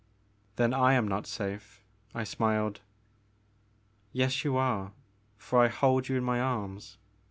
" Then I am not safe," I smiled. "Yes you are, for I hold you in my arms.